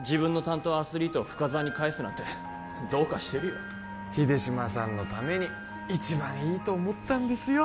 自分の担当アスリートを深沢に返すなんてどうかしてるよ秀島さんのために一番いいと思ったんですよ